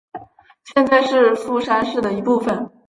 现在是富山市的一部分。